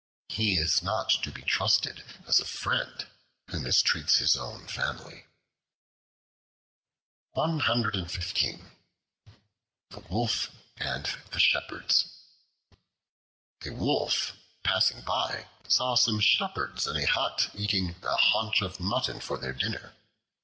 He is not to be trusted as a friend who mistreats his own family. The Wolf and the Shepherds A WOLF, passing by, saw some Shepherds in a hut eating a haunch of mutton for their dinner.